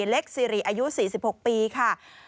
เล็กซีรีอายุ๔๖ปีค่ะ